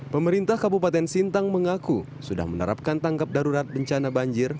pemerintah kabupaten sintang mengaku sudah menerapkan tangkap darurat bencana banjir